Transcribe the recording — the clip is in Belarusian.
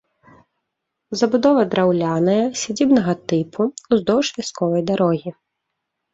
Забудова драўляная, сядзібнага тыпу, уздоўж вясковай дарогі.